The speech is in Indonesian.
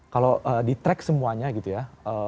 kalau di track semuanya gitu ya